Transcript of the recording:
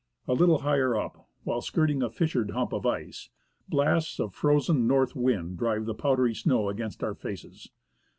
A little higher up, while skirting a fissured hump of ice, blasts of frozen north wind drive the powdery snow against our faces.